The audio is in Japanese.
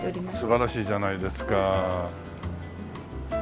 素晴らしいじゃないですか。